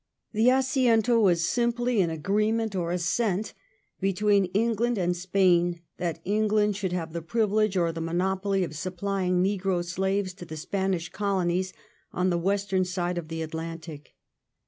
The Assiento was simply an agree ment or assent between England and Spain that England should have the privilege or the monopoly of supplying negro slaves to the Spanish colonies on the western side of the Atlantic.